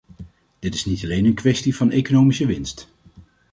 Dit is niet alleen een kwestie van economische winst.